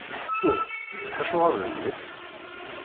Uh! Acuɣer d nekk?!